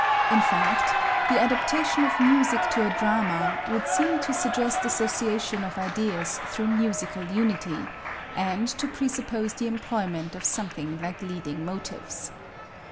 In fact, the adaptation of music to a drama would seem to suggest association of ideas through musical unity, and to presuppose the employment of something like leading motives.